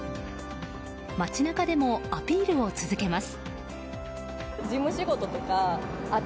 街中でもアピールを続けます。